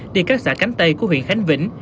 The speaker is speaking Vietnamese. đi các xã cánh tây của huyện khánh vĩnh